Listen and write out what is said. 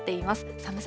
寒さ